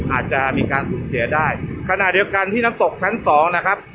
อาจจะมีการสูญเสียได้ขณะเดียวกันที่น้ำตกชั้นสองนะครับ